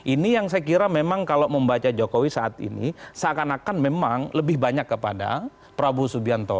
ini yang saya kira memang kalau membaca jokowi saat ini seakan akan memang lebih banyak kepada prabowo subianto